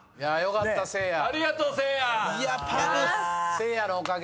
せいやのおかげ。